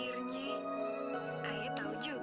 lagi lagi pijak